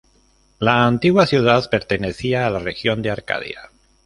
La antigua ciudad pertenecía a la región de Arcadia.